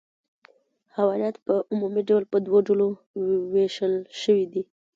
حیوانات په عمومي ډول په دوو لویو ډلو ویشل شوي دي